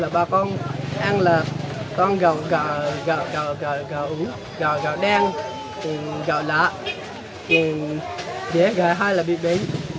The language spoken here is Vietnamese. bà con ăn là toàn gạo đen gạo lạ dễ gạo hay là bị bệnh